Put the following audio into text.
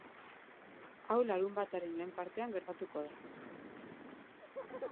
Hau larunbataren lehen partean gertatuko da.